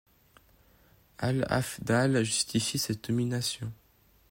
Al-Afdhal justifie cette nomination.